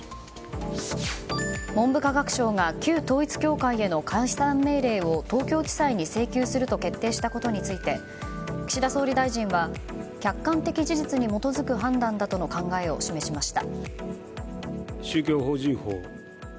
文部科学省が旧統一教会への解散命令を東京地裁に請求すると決定したことについて岸田総理大臣は客観的事実に基づく判断だとの考えを示しました。